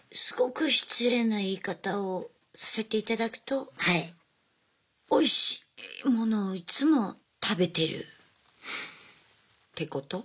すごく失礼な言い方をさせていただくとおいしいものをいつも食べてるってこと？